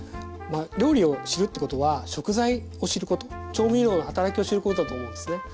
料理を知るってことは食材を知ること調味料の働きを知ることだと思うんですね。